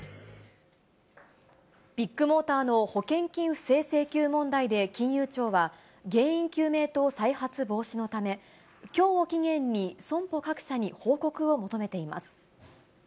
ビッグモーターの保険金不正請求問題で、金融庁は、原因究明と再発防止のため、きょうを期限に、損保各社に報告を求めています。